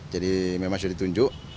jadi memang sudah ditunjuk